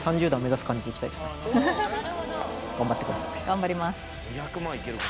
頑張ります